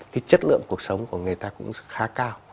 cái chất lượng cuộc sống của người ta cũng khá cao